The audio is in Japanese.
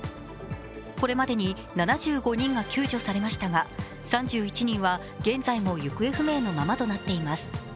これまでに７５人が救助されましたが３１人は現在も行方不明のままとなっています。